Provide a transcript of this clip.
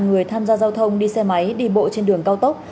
người tham gia giao thông đi xe máy đi bộ trên đường cao tốc